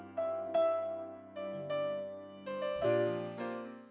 โปรดติดตามตอนต่อไป